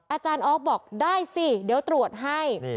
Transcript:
อาจารย์ออฟบอกได้สิเดี๋ยวตรวจให้